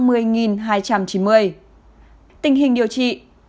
tình hình điều trị